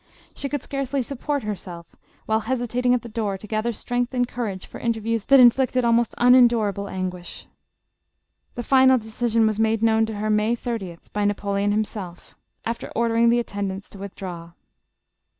She could scarcely support herself, while hesitating at the door to gather strength and courage for interviews that indicted almost unendurable anguish. Tlu> final decision was made known to her, May 30: li, by NajK>leon himself, after ordering the attendants to withdraw.